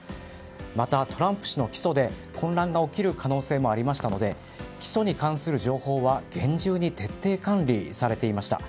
また、トランプ氏の起訴で混乱が起きる可能性がありましたので起訴に関する情報は厳重に徹底管理されていました。